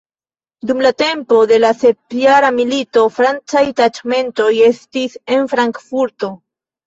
Dum la tempo de la Sepjara milito francaj taĉmentoj estis en Frankfurto.